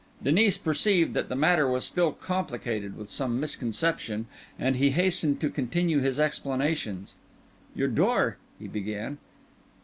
Denis perceived that the matter was still complicated with some misconception, and he hastened to continue his explanations. "Your door ..." he began.